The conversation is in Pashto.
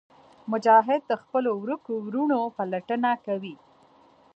مجاهد د خپلو ورکو وروڼو پلټنه کوي.